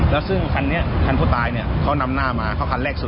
แล้วซึ่งคันนี้คันผู้ตายเนี่ยเขานำหน้ามาเขาคันแรกสุด